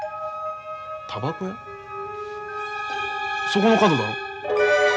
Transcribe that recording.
そこの角だろ。